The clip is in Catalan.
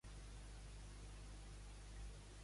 Mercès a això va poder fer els seus grans viatges per Aràbia.